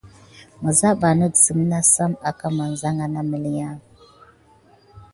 Mizabanih zime nasam aka masaha na məlinya an.